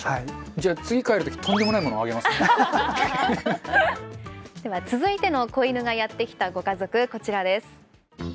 じゃあ次帰る時では続いての子犬がやって来たご家族こちらです。